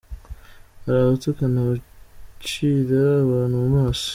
Hari abatukana, abacira abantu mu maso.